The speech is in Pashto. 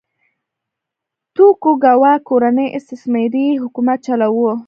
توکوګاوا کورنۍ استثماري حکومت چلاوه.